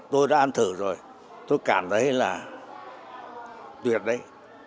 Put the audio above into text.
tôi đã ăn thử rồi tôi cảm thấy là tuyệt đấy